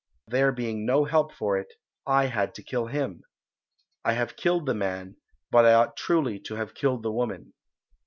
There being no help for it, I had to kill him. I have killed the man, but I ought truly to have killed the woman.